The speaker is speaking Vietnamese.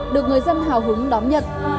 được người dân hào hứng đón nhận